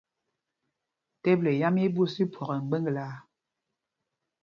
Teble yám í í ɓūs tí phwɔk ɛ mgbeŋglaa.